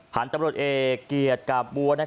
ผ่านตำรวจเอกเกียรติกับบัว